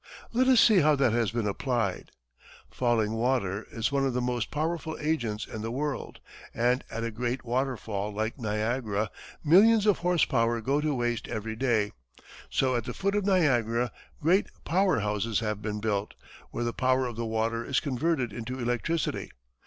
Let us see how that has been applied. Falling water is one of the most powerful agents in the world, and at a great waterfall like Niagara, millions of horsepower go to waste every day. So at the foot of Niagara, great power houses have been built where the power of the water is converted into electricity.